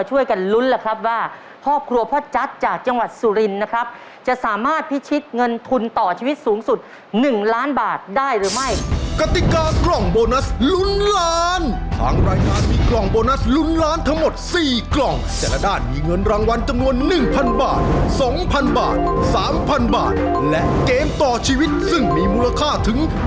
โจทย์และกติศาสำหรับข้อนี้ก็คือ